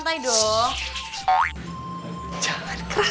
tau tipe gue bangun